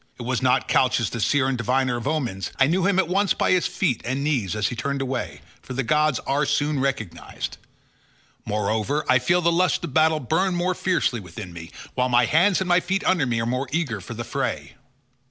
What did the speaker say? It was not Calchas the seer and diviner of omens; I knew him at once by his feet and knees as he turned away, for the gods are soon recognised. Moreover I feel the lust of battle burn more fiercely within me, while my hands and my feet under me are more eager for the fray."